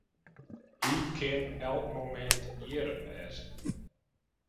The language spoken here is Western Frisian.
Hy kin ek elk momint hjir wêze.